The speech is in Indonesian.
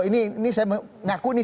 ini saya mengaku nih